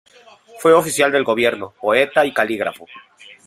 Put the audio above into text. Fue oficial del gobierno, poeta y calígrafo.